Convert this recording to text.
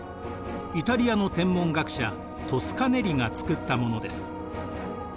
イタリアの天文学者トスカネリが作ったものです。